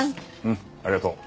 うんありがとう。